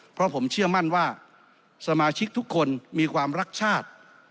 เพราะผมเชื่อมั่นว่าสมาชิกทุกคนมีความรักชาติ